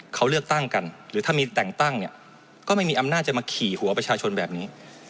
เขาเลือกตั้งกันหรือถ้ามีแต่งตั้งเนี่ยก็ไม่มีอำนาจจะมาขี่หัวประชาชนแบบนี้